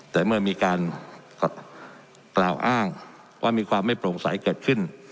แต่เมื่อมีการกล่าวอ้างว่ามีความไม่โปร่งใสเกิดขึ้น